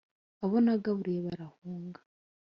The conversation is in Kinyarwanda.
Abo nagaburiye barahunga,